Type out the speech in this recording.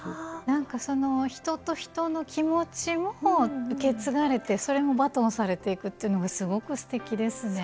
なんか人と人の気持ちも受け継がれてそれもバトンされていくっていうのがすごくすてきですね。